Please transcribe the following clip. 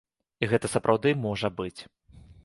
І гэта сапраўды можа быць.